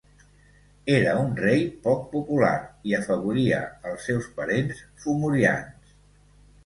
Era un rei poc popular i afavoria els seus parents fomorians.